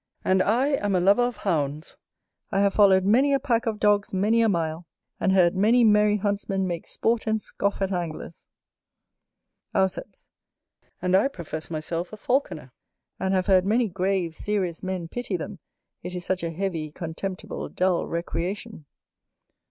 And I am a lover of Hounds; I have followed many a pack of dogs many a mile, and heard many merry Huntsmen make sport and scoff at Anglers. Auceps. And I profess myself a Falconer, and have heard many grave, serious men pity them, it is such a heavy, contemptible, dull recreation.